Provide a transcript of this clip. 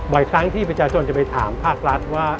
ครั้งที่ประชาชนจะไปถามภาครัฐว่า